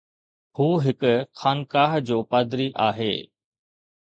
هو هڪ خانقاهه جو پادري آهي.